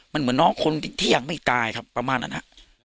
มันเหมือนน้องคนที่ยังไม่ตายครับประมาณนั้น